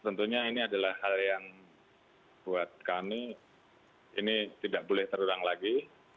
tentunya ini adalah hal yang buat kami ini tidak boleh terulang lagi